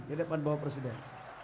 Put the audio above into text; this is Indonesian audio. di depan bapak presiden